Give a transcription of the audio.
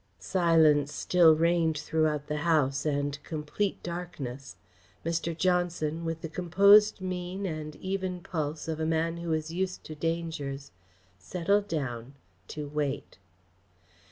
Silence still reigned throughout the house, and complete darkness. Mr. Johnson, with the composed mien and even pulse of a man who is used to dangers, settled down to wait.